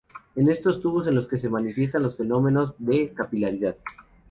Es en estos tubos en los que se manifiestan los fenómenos de capilaridad.